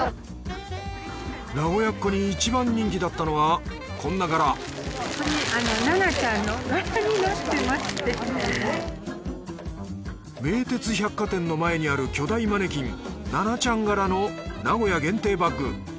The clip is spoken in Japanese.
名古屋っ子に一番人気だったのはこんな柄名鉄百貨店の前にある巨大マネキンナナちゃん柄の名古屋限定バッグ。